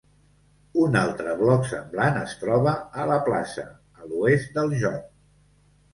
Un altre bloc semblant es troba a la plaça a l'oest del joc.